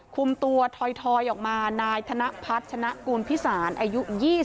คุมตัวถอยออกมานายธนพัฒนชนะกูลพิสารอายุ๒๐